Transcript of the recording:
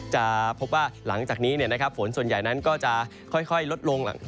จะพบว่าหลังจากนี้ฝนส่วนใหญ่นั้นก็จะค่อยลดลง